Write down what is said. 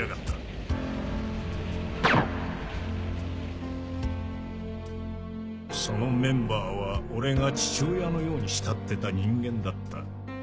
銃声そのメンバーは俺が父親のように慕ってた人間だった。